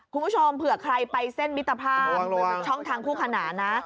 คุณผู้ชมเผื่อใครไปเส้นมิตรภาพช่องทางคู่ขนานนะ